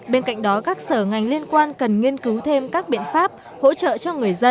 bên cạnh đó các sở ngành liên quan cần nghiên cứu thêm các biện pháp hỗ trợ cho người dân